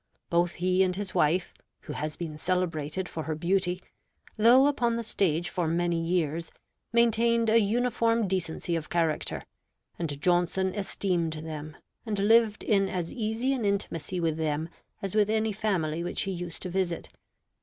Both he and his wife (who has been celebrated for her beauty), though upon the stage for many years, maintained a uniform decency of character; and Johnson esteemed them, and lived in as easy an intimacy with them as with any family which he used to visit.